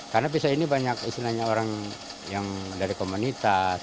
karena pisau ini banyak istilahnya orang yang dari komunitas